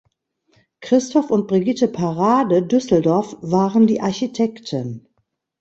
Christoph und Brigitte Parade, Düsseldorf, waren die Architekten.